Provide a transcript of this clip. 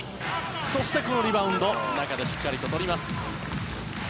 そして、このリバウンド中でしっかりとります。